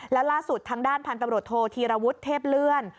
แล้วล่าสุดทางด้านพันธุ์ตำรวจโทษธีรวุฒิเทพเลื่อน